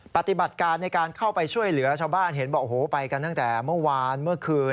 ปฏิบัติการในการเข้าไปช่วยเหลือชาวบ้านเห็นบอกโอ้โหไปกันตั้งแต่เมื่อวานเมื่อคืน